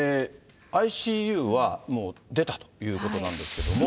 ＩＣＵはもう出たということなんですけれども。